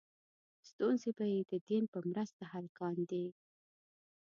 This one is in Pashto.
ستونزې به یې د دین په مرسته حل کاندې.